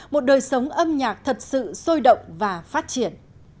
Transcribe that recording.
một đời sống âm nhạc thật sự sôi động và phát triển